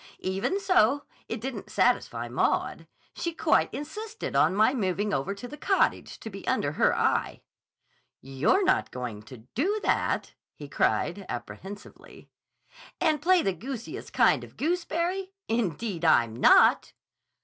"Even so, it didn't satisfy Maud. She quite insisted on my moving over to the Cottage, to be under her eye." "You're not going to do that?" he cried apprehensively. "And play the goosiest kind of gooseberry? Indeed, I'm not!"